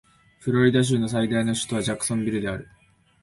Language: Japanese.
フロリダ州の最大都市はジャクソンビルである